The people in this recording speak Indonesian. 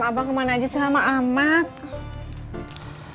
abang kemana aja selama lamanya